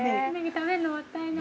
食べるのもったいない。